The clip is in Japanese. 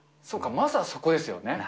そうか、まずはそこですよね。